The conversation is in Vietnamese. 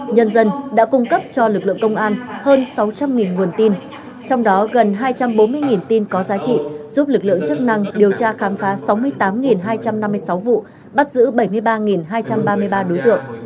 nhân dân đã cung cấp cho lực lượng công an hơn sáu trăm linh nguồn tin trong đó gần hai trăm bốn mươi tin có giá trị giúp lực lượng chức năng điều tra khám phá sáu mươi tám hai trăm năm mươi sáu vụ bắt giữ bảy mươi ba hai trăm ba mươi ba đối tượng